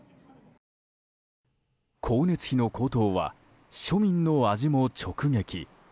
光熱費の高騰は庶民の味も直撃。